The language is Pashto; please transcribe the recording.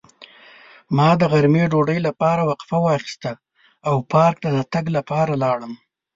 ما د غرمې ډوډۍ لپاره وقفه واخیسته او پارک ته د تګ لپاره لاړم.